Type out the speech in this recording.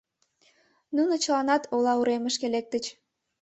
Нуно чыланат ола уремышке лектыч.